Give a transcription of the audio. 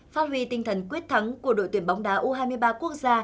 phát huy tinh thần quyết thắng của đội tuyển bóng đá u hai mươi ba quốc gia